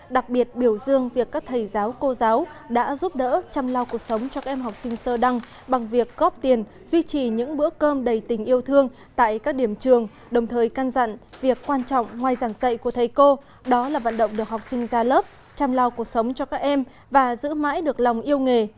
đặc biệt biểu dương việc các thầy giáo cô giáo đã giúp đỡ chăm lao cuộc sống cho các em học sinh sơ đăng bằng việc góp tiền duy trì những bữa cơm đầy tình yêu thương tại các điểm trường đồng thời can dặn việc quan trọng ngoài giảng dạy của thầy cô đó là vận động được học sinh ra lớp chăm lao cuộc sống cho các em và giữ mãi được lòng yêu nghề